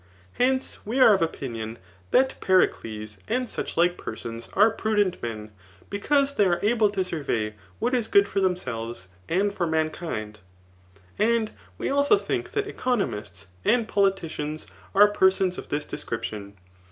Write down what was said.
Hence we are of opinion that Pe* ricles, and such like persons, are prudent men, because they are able to survey what is good for themselves, and for mankind ; and we also think that economists and po^ litidans are persons of this description.